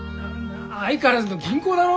相変わらずの銀行だろ？